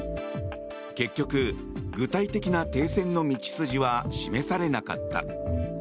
結局、具体的な停戦の道筋は示されなかった。